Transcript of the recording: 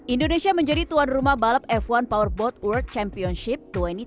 indonesia menjadi tuan rumah balap f satu powerboat world championship dua ribu dua puluh